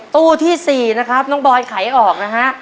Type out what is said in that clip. ตู้ที่๔นะครับน้องบอยไขอออกนะฮะ